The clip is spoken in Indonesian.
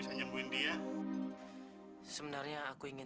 saya tidak pernah bisa